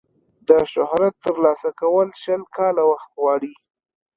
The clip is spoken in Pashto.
د شهرت ترلاسه کول شل کاله وخت غواړي.